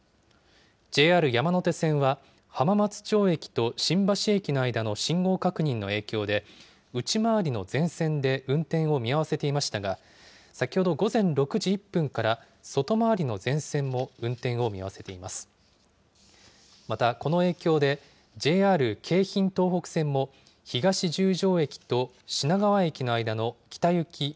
ＪＲ山手線は、浜松町駅と新橋駅の間の信号確認の影響で、内回りの全線で運転を見合わせていましたが、先ほど午前６時１分から、外回りの全線も運転を見合わせています。